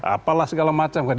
apalah segala macam kan